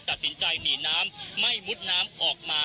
ตัดสินใจหนีน้ำไม่มุดน้ำออกมา